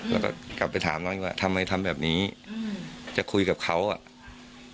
แล้วก็กลับไปถามเราอีกว่าทำไมทำแบบนี้อืมจะคุยกับเขาอ่ะ